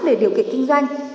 để điều kiện kinh doanh